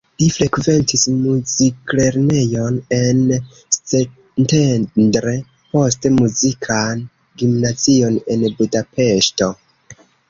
Li frekventis muziklernejon en Szentendre, poste muzikan gimnazion en Budapeŝto.